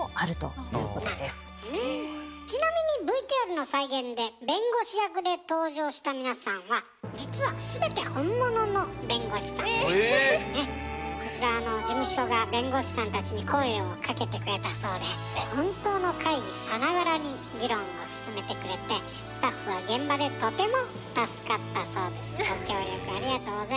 ちなみにＶＴＲの再現で弁護士役で登場した皆さんは実はこちらは事務所が弁護士さんたちに声をかけてくれたそうで本当の会議さながらに議論を進めてくれてスタッフは現場でとても助かったそうです。